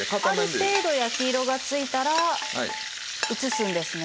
ある程度焼き色がついたら移すんですね？